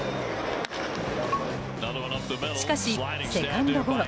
しかしセカンドゴロ。